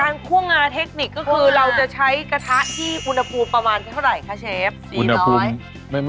การคั่วงาเทคนิคก็คือเราจะใช้กระทะที่อุณหภูมิเท่าไหนล่ะครับเชฟ